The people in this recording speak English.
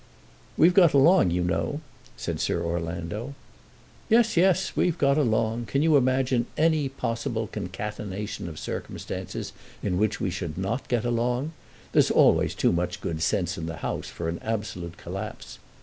"We've got along, you know," said Sir Orlando. "Yes; yes. We've got along. Can you imagine any possible concatenation of circumstances in which we should not get along? There's always too much good sense in the House for an absolute collapse.